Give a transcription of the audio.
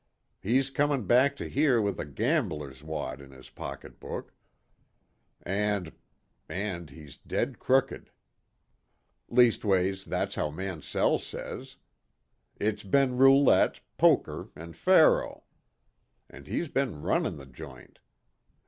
He's comin' back to here with a gambler's wad in his pocketbook, and and he's dead crooked. Leastways, that's how Mansell says. It's bin roulette, poker an' faro. An' he's bin runnin' the joint.